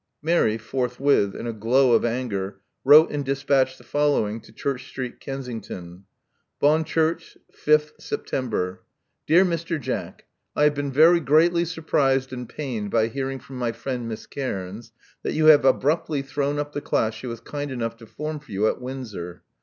Mary forthwith, in a glow of anger, wrote and despatched the following to Church Street, Kensington. *'Bonchurch, 5th September. '*Dear Mr. Jack: — I have been very greatly surprised and pained by hearing from my friend Miss Cairns tHat you have abruptly thrown up the class she was kind enough to form for you at Windsor.